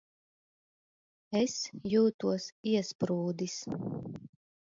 Es jūtos iesprūdis.